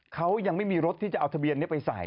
เขายังไม่มีรถที่จะเอาทะเบียนนี้ไปใส่